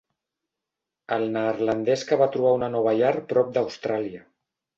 El neerlandès que va trobar una nova llar prop d'Austràlia.